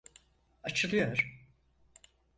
Açılıyor!